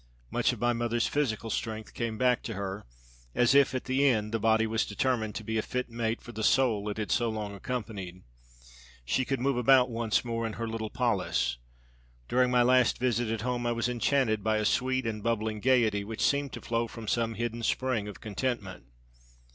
Much of my mother's physical strength came back to her, as if at the end the body was determined to be a fit mate for the soul it had so long accompanied. She could move about once more in her little polis. During my last visit at home I was enchanted by a sweet and bubbling gayety which seemed to flow from some hidden spring of contentment.